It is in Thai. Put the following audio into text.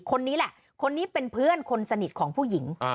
คนนี้แหละคนนี้เป็นเพื่อนคนสนิทของผู้หญิง